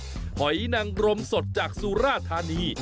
หอยนังรมสดจากสุราธานี